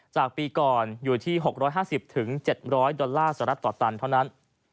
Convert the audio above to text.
จากปีก่อนอยู่ที่๖๕๐๗๐๐ดอลลาร์สหรัฐต่อตันเท่านั้น